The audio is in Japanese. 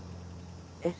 えっ。